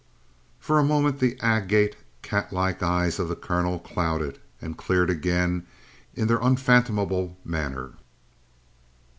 For a moment the agate, catlike eyes of the colonel clouded and cleared again in their unfathomable manner.